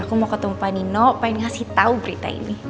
aku mau ketemu panino pengen ngasih tau berita ini